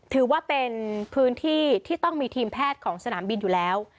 ถือว่าเป็นพื้นที่ที่ต้องมีทีมแพทย์ของสนามบินอยู่แล้ว